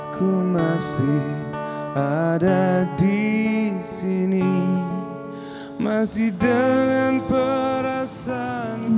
kami kesana sekarang